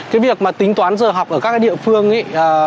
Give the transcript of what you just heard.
cái việc mà tính toán giờ học ở các địa phương ấy